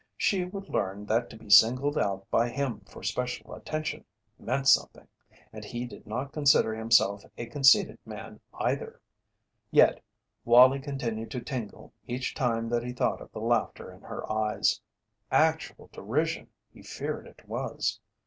She would learn that to be singled out by him for special attention meant something, and he did not consider himself a conceited man either. Yet Wallie continued to tingle each time that he thought of the laughter in her eyes actual derision he feared it was.